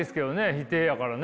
否定やからね。